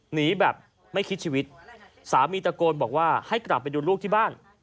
หนีแบบไม่คิดชีวิตสามีตะโกนบอกว่าให้กลับไปดูลูกที่บ้าน